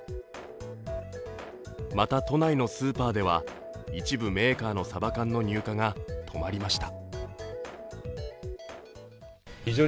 また、都内のスーパーでは一部メーカーのサバ缶の入荷が止まりました。